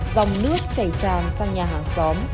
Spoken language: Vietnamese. dòng nước chảy tràn sang nhà hàng xóm